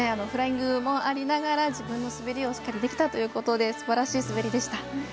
フライングもありながら自分の滑りをしっかりできたということですばらしい滑りでした。